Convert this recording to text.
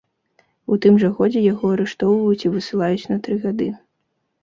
У тым жа годзе яго арыштоўваюць і высылаюць на тры гады.